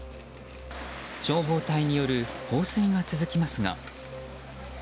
消防隊による放水が続きますが。